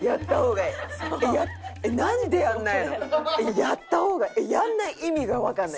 「やった方がやんない意味がわかんない」。